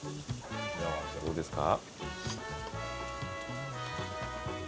どうですか？